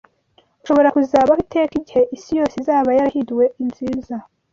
Ushobora kuzabaho iteka igihe isi yose izaba yarahinduwe nziza